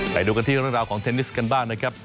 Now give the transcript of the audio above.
ไปดูกันที่เรื่องราวของเทนนิสกันบ้างนะครับ